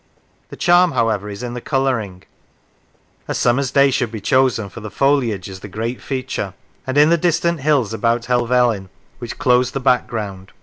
The charm, however, is in the colouring (a summer's day should be chosen, for the foliage is the great feature), and in the distant hills about Helvellyn, which close the back ground.